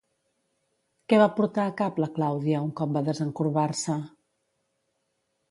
Què va portar a cap la Clàudia un cop va desencorbar-se?